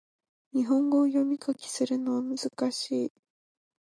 日本語を読み書きするのは難しい